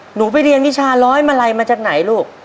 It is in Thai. หนูไปเรียนวิชาร้อยมาลัยมาจากไหนลูก